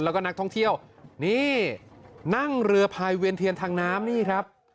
แล้วก็นักท่องเที่ยวนี่นั่งเรือพายเวียนเทียนทางน้ำนี่ครับ